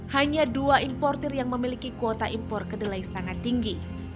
hanya dua importer yang memiliki kuota impor kedelai sangat tinggi